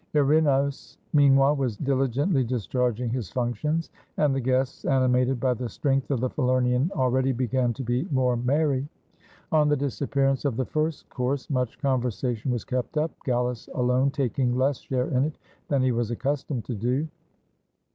Earinos, meanwhile, was diligently discharging his func tions; and the guests, animated by the strength of the Falernian, already began to be more merry. On the dis appearance of the first course, much conversation was kept up. Callus alone taking less share in it than he was accustomed to do.